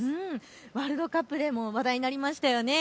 ワールドカップでも話題になりましたよね。